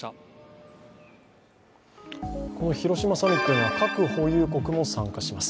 この広島サミットには核保有国も参加します。